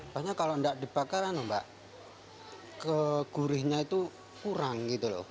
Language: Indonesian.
banyak kalau enggak dibakaran kegurihnya itu kurang